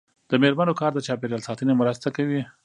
د میرمنو کار د چاپیریال ساتنې مرسته کوي.